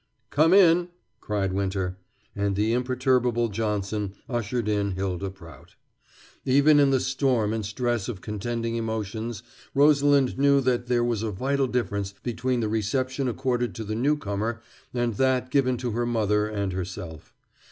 "Come in!" cried Winter, and the imperturbable Johnson ushered in Hylda Prout. Even in the storm and stress of contending emotions Rosalind knew that there was a vital difference between the reception accorded to the newcomer and that given to her mother and herself.